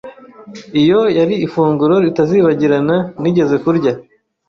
Iyo yari ifunguro ritazibagirana nigeze kurya.